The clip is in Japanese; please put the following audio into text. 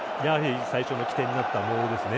最初が起点になったボールですね。